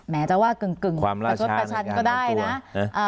แม้จะว่ากึ่งประชุดประชันก็ได้นะ